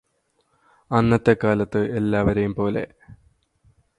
അന്നത്തെക്കാലത്ത് എല്ലാവരെയും പോലെ